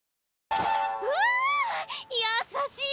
うわ優しい！